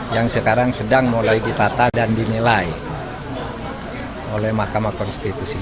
yang sekarang sedang mulai ditata dan dinilai oleh mahkamah konstitusi